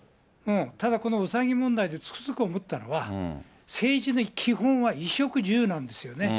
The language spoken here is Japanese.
ただ、このうさぎ問題でつくづく思ったのが、政治の基本は衣食住なんですよね。